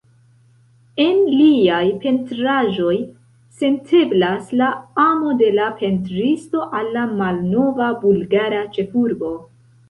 En liaj pentraĵoj senteblas la amo de la pentristo al la malnova bulgara ĉefurbo.